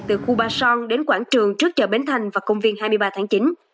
từ khu ba son đến quảng trường trước chợ bến thành và công viên hai mươi ba tháng chín